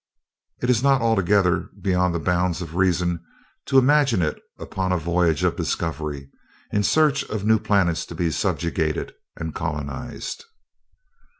It is not altogether beyond the bounds of reason to imagine it upon a voyage of discovery, in search of new planets to be subjugated and colonized...."